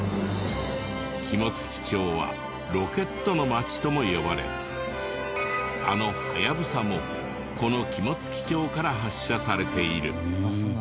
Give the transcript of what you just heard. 肝付町は「ロケットのまち」とも呼ばれあのはやぶさもこの肝付町から発射されている。